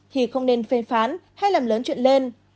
thì không nên phê phán hay làm lớn chuyện lên